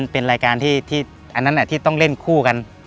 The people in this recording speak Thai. เป็นรายการที่ต้องเล่นคู่กัน